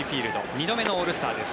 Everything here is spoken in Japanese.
２度目のオールスターです。